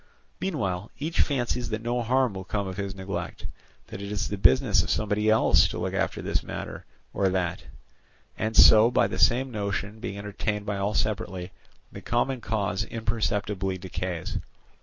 Meanwhile each fancies that no harm will come of his neglect, that it is the business of somebody else to look after this or that for him; and so, by the same notion being entertained by all separately, the common cause imperceptibly decays.